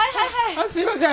あすいません。